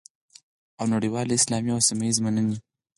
او نړیوالې، اسلامي او سیمه ییزې مننې